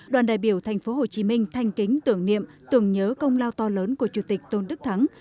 đoàn đại biểu tp hcm thanh kính tưởng niệm tưởng nhớ công lao to lớn của chủ tịch tôn đức thắng